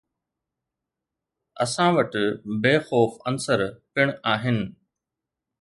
اسان وٽ بي خوف عنصر پڻ آهن.